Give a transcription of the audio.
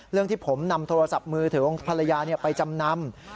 เรื่องที่ผมนำโทรศัพท์มือถือของภรรยาไปจำนำ